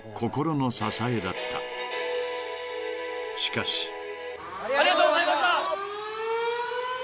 ［しかし］ありがとうございました。